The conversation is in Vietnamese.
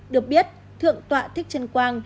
được biết thượng tọa thích trân quang